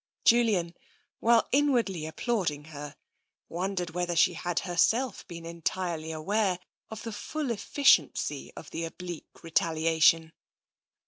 Julian, while inwardly applauding her, wondered whether she had herself been entirely aware of the full efficiency of the oblique retaliation.